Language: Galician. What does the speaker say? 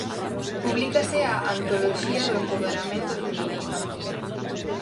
Publícase a "Antoloxía do empoderamento feminino".